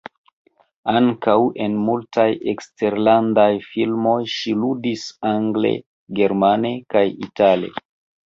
Ankaŭ en multaj eksterlandaj filmoj ŝi ludis, angle, germane kaj itale.